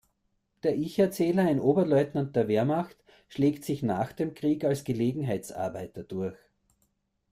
Der Ich-Erzähler, ein Oberleutnant der Wehrmacht, schlägt sich nach dem Krieg als Gelegenheitsarbeiter durch.